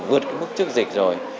vượt cái mức trước dịch rồi